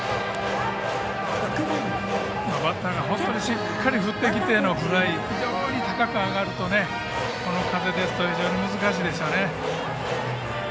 バッターが本当にしっかり振ってきてのあのフライ高く上がるとこの風ですと非常に難しいですよね。